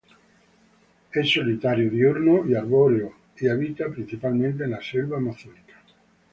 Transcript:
Es solitario, diurno y arbóreo y habita principalmente en la selva amazónica.